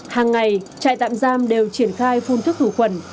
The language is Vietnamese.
hàng ngày trại tạm giam đều triển khai phun thức khử khuẩn